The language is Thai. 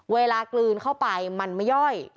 เวลากลืนเข้าไปมันไม่ย่อย